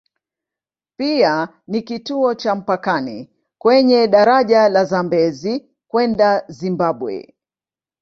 Pia ni kituo cha mpakani kwenye daraja la Zambezi kwenda Zimbabwe.